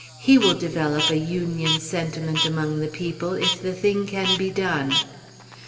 He will develop a Union sentiment among the people, if the thing can be done!"